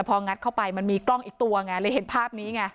พองัดเข้าไปมันมีกล้องอีกตัวไงเลยเห็นภาพนี้ไง